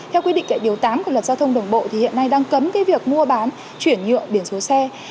theo quy định kẻ điều tám của luật giao thông đồng bộ thì hiện nay đang cấm cái việc mua bán chuyển nhượng biển số xe